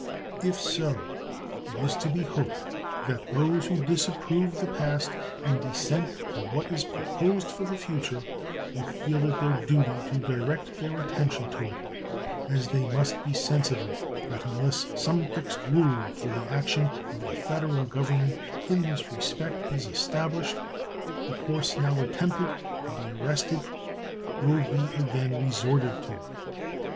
If so, it is to be hoped that those who disapprove the past and dissent from what is proposed for the future will feel it their duty to direct their attention to it, as they must be sensible that unless some fixed rule for the action of the Federal Government in this respect is established the course now attempted to be arrested will be again resorted to.